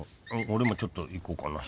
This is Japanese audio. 俺もちょっと行こうかな。